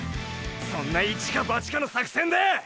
そんなイチかバチかの作戦で！！